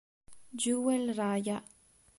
Jewel Raja